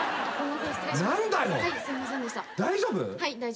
大丈夫？